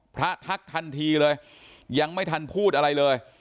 ทักทันทีเลยยังไม่ทันพูดอะไรเลย